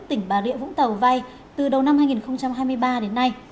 tỉnh bà rịa vũng tàu vay từ đầu năm hai nghìn hai mươi ba đến nay